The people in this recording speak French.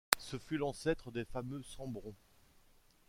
Ce fut l'ancêtre des fameux Sambron.